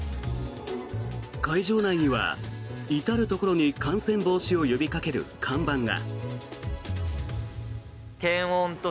会場内には至るところに感染防止を呼びかける看板が。